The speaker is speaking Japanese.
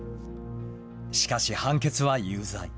しかし判決は有罪。